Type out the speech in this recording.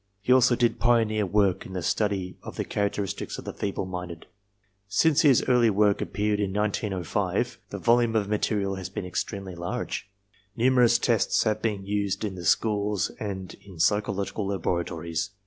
He also did pioneer work in the study of the charac teristics of the feeble minded. Since his early work appeared in 1905, the volume of material has become extremely large. Nu merous tests have been used in the schools and in psychological laboratories.